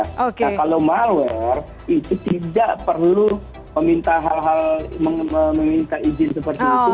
nah kalau malware itu tidak perlu meminta izin seperti itu